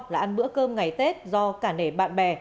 là ăn bữa cơm ngày tết do cả nể bạn bè